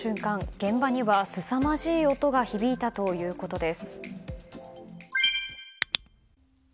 現場にはすさまじい音が響いたということです。